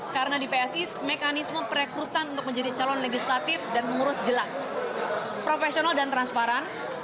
karena di psi mekanisme perekrutan untuk menjadi calon legislatif dan mengurus jelas profesional dan transparan